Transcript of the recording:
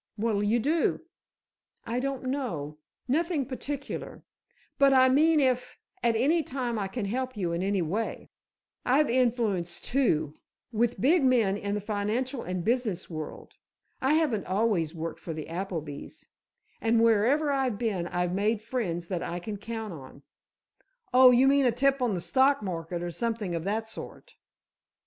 "What'll you do?" "I don't know; nothing particular. But, I mean if, at any time I can help you in any way—I've influence, too, with big men in the financial and business world. I haven't always worked for the Applebys, and wherever I've been I've made friends that I can count on." "Oh, you mean a tip on the stock market or something of that sort?"